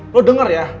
eh lo denger ya